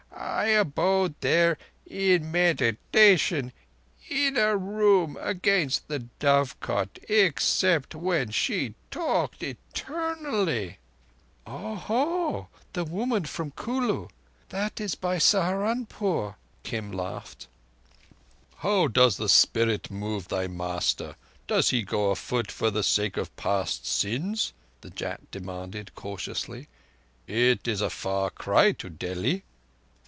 I abode there in meditation in a room against the dovecot—except when she talked eternally." "Oho! the woman from Kulu. That is by Saharunpore." Kim laughed. "How does the spirit move thy master? Does he go afoot, for the sake of past sins?" the Jat demanded cautiously. "It is a far cry to Delhi."